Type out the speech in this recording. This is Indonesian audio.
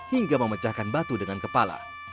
hingga memecahkan batu dengan kepala